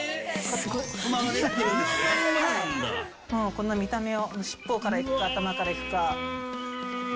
この見た目をしっぽからいくか頭からいくか。